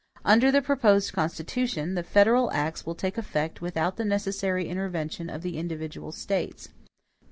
Under the proposed Constitution, the federal acts will take effect without the necessary intervention of the individual States.